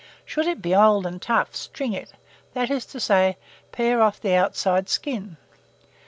Should it be old and tough, string it, that is to say, pare off the outside skin.